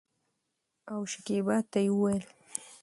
او شکيبا ته يې وويل